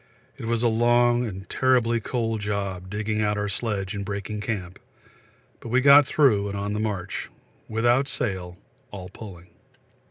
It was a long and terribly cold job digging out our sledge and breaking camp, but we got through and on the march without sail, all pulling.